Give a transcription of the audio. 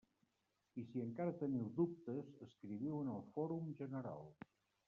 I si encara teniu dubtes, escriviu en el fòrum general.